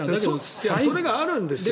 それがあるんですよ。